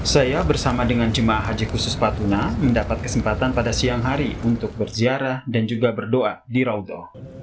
saya bersama dengan jemaah haji khusus patuna mendapat kesempatan pada siang hari untuk berziarah dan juga berdoa di raudo